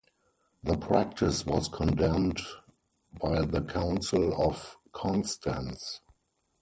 The practice was condemned by the Council of Constance.